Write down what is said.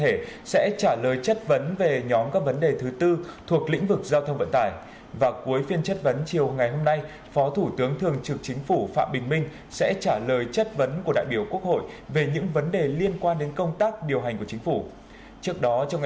hãy đăng ký kênh để nhận thông tin nhất